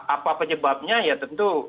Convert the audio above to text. apa apa jebabnya ya tentu